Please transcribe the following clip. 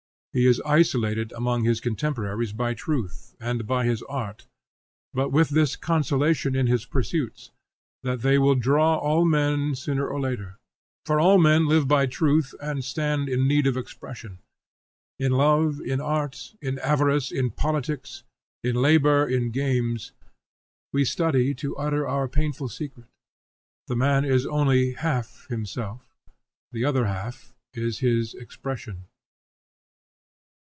He is isolated among his contemporaries by truth and by his art, but with this consolation in his pursuits, that they will draw all men sooner or later. For all men live by truth and stand in need of expression. In love, in art, in avarice, in politics, in labor, in games, we study to utter our painful secret. The man is only half himself, the other half is his expression.